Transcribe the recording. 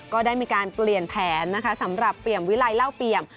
ก็ได้มีการเปลี่ยนแผนนะคะสำหรับเปี่ยมวิลัยเล่าเปี่ยม